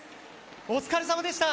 お疲れさまでした。